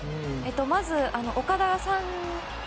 まず岡田さん